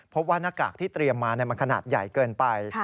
ว่าหน้ากากที่เตรียมมามันขนาดใหญ่เกินไป